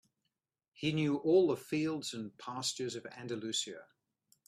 He knew all the fields and pastures of Andalusia.